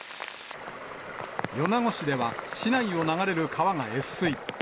米子市では、市内を流れる川が越水。